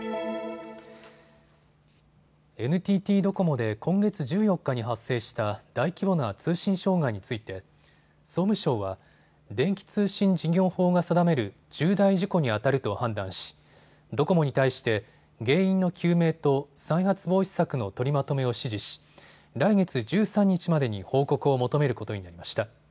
ＮＴＴドコモで今月１４日に発生した大規模な通信障害について総務省は電気通信事業法が定める重大事故にあたると判断しドコモに対して原因の究明と再発防止策の取りまとめを指示し来月１３日までに報告を求めることになりました。